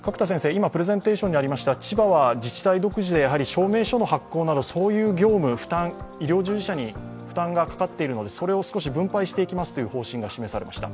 今、プレゼンテーションにありました千葉と自治体の証明書の発行など、そういう業務、医療従事者に負担がかかっているのでそれを少し分配していきますという方針が示されました。